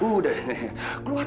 keluar keluar keluar